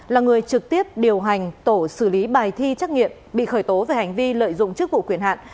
là người trực tiếp điều hành tổ xử lý bài thi trắc nghiệm bị khởi tố về hành vi lợi dụng chức vụ quyền hạn